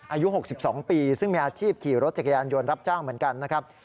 อายุ๖๒ปีซึ่งมีอาชีพขี่รถจักรยานยนต์รับจ้างเหมือนกันนะครับ